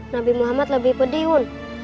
nabi muhammad lebih pedih yun